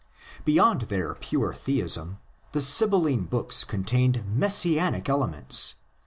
Beyond their pure theism, the Sibylline books contained Messianic elements.